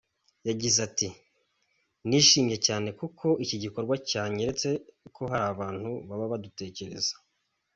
Yagize ati “Nishimye cyane kuko iki gikorwa cyanyeretse ko hari abantu baba badutekereza.